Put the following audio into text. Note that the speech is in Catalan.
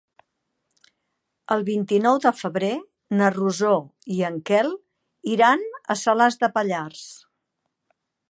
El vint-i-nou de febrer na Rosó i en Quel iran a Salàs de Pallars.